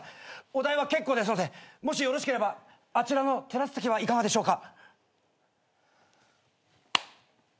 お代は結構ですのでもしよろしければあちらのテラス席はいかがでしょうか？